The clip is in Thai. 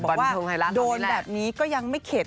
บันทึงไฮราชตอนนี้แหละบอกว่าโดนแบบนี้ก็ยังไม่เข็ด